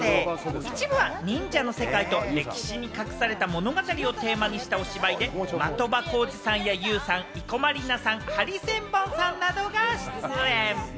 １部は忍者の世界と歴史に隠された物語をテーマにしたお芝居で、的場浩司さんやＹＯＵさん、生駒里奈さん、ハリセンボンさんなどが出演。